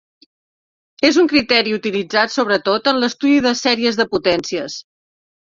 És un criteri utilitzat sobretot en l'estudi de sèries de potències.